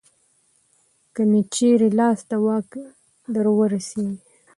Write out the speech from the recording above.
که مې چېرې لاس د واک درورسېږي